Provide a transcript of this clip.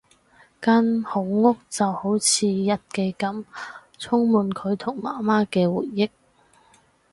間好屋就好似日記噉，充滿佢同媽媽嘅回憶